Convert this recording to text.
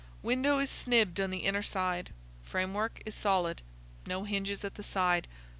"Window is snibbed on the inner side. Framework is solid. No hinges at the side.